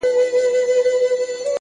حوصله د سختیو ملګرې ده.!